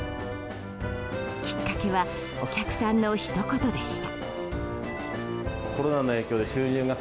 きっかけはお客さんのひと言でした。